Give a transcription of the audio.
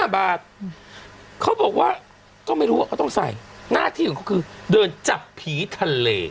เขาบอกว่าก็ไม่รู้ว่าเขาต้องใส่หน้าที่ของเขาคือเดินจับผีทะเล